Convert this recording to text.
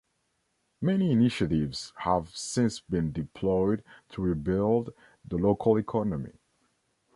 Many initiatives have since been deployed to rebuild the local economy.